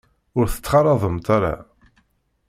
Ur t-ttxalaḍemt ara.